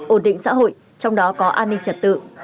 ổn định xã hội trong đó có an ninh trật tự